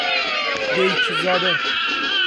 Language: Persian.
بیک زاده